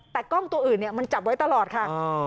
แต่กล้องตัวอื่นมันจับไว้ตลอดค่ะ